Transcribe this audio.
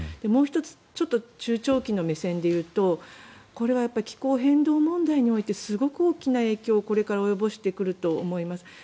もう１つ、中長期の目線で言うとこれは気候変動問題においてすごく大きな影響をこれから及ぼしてくると思います。